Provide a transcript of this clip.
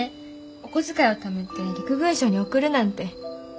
お小遣いをためて陸軍省に送るなんて。